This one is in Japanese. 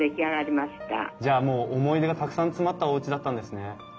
じゃあもう思い出がたくさん詰まったおうちだったんですね。